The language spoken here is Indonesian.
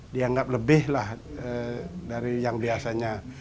dianggap lebih lah dari yang biasanya